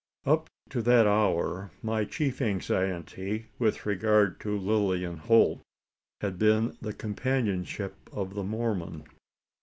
Up to that hour, my chief anxiety with regard to Lilian Holt had been the companionship of the Mormon.